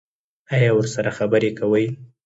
ایا ورسره خبرې کوئ؟